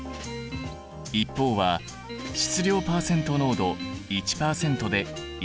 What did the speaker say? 一方は質量パーセント濃度１％で１ｋｇ。